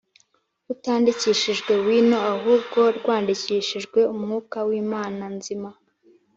rutandikishijwe wino ahubwo rwandikishijwe umwuka w Imana nzima